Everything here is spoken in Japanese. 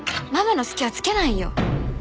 ママの隙はつけないよ。